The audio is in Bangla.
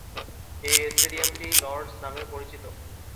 এ স্টেডিয়ামটি লর্ড’স নামেও পরিচিত।